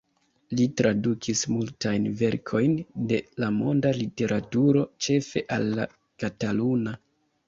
Li tradukis multajn verkojn de la monda literaturo ĉefe al la kataluna.